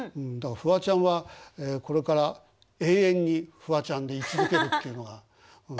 だからフワちゃんはこれから永遠にフワちゃんでい続けるっていうのが。